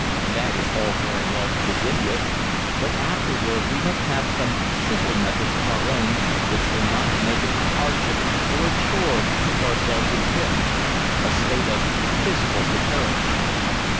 That is all very well to begin with, but afterward we must have some simple methods of our own which will not make it a hardship or a chore to keep ourselves in trim a state of physical preparedness.